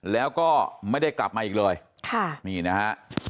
แล้วก็ไม่ได้กลับมาอีกเลยค่ะนี่นะฮะ